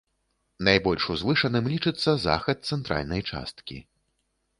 Найбольш узвышаным лічыцца захад цэнтральнай часткі.